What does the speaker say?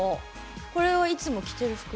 これは、いつも着てる服？